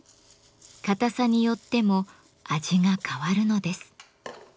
硬さによっても味が変わるのです。